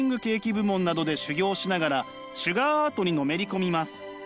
部門などで修業しながらシュガーアートにのめり込みます。